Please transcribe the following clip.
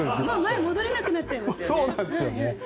戻れなくなっちゃいますよね。